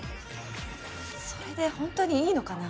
「それでほんとにいいのかな？」